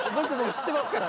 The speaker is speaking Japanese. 知ってますから！